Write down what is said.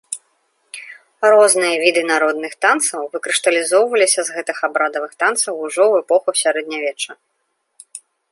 Розныя віды народных танцаў выкрышталізоўваліся з гэтых абрадавых танцаў ўжо ў эпоху сярэднявечча.